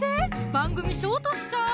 番組ショートしちゃう！